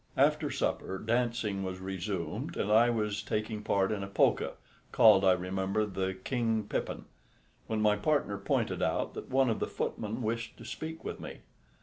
After supper dancing was resumed, and I was taking part in a polka (called, I remember, the "King Pippin"), when my partner pointed out that one of the footmen wished to speak with me.